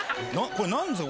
これ何ですか？